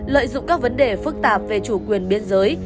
lợi dụng các vấn đề phức tạp về chủ quyền biên giới